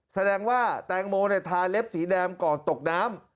แสดงว่าแตงโมทาเล็บสีแดงก่อนตกน้ำ